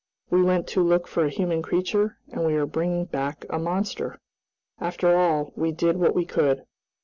We went to look for a human creature, and we are bringing back a monster! After all, we did what we could."